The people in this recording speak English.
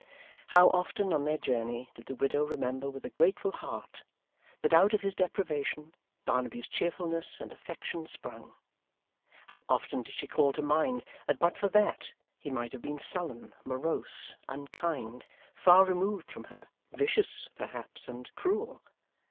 How often, on their journey, did the widow remember with a grateful heart, that out of his deprivation Barnaby's cheerfulness and affection sprung! How often did she call to mind that but for that, he might have been sullen, morose, unkind, far removed from her vicious, perhaps, and cruel!